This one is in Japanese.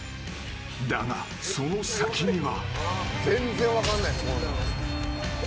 だが、その先には。